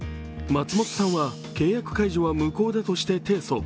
松本さんは契約解除は無効だとして提訴。